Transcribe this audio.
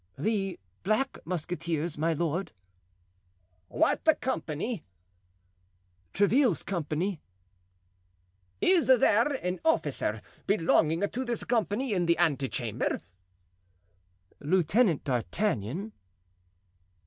"The Black Musketeers, my lord." "What company?" "Tréville's company." "Is there any officer belonging to this company in the ante chamber?" "Lieutenant d'Artagnan."